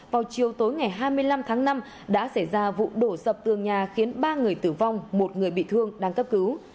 vào chiều tối ngày hai mươi năm tháng năm đã xảy ra vụ đổ sập tường nhà khiến ba người tử vong một người bị thương đang cấp cứu